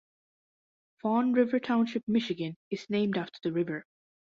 Fawn River Township, Michigan is named after the river.